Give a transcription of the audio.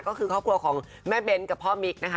ก็คือครอบครัวของแม่เบ้นกับพ่อมิ๊กนะคะ